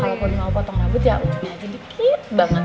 kalaupun mau potong rambut ya ujungnya aja dikit banget